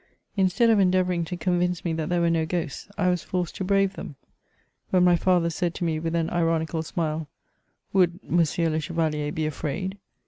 Instead of endeavouring to convince me that there were no ghosts, I was forced to brave them. When my father said to me, with an ironical smile, " Would Monsieur le Che' valier be afraid ?"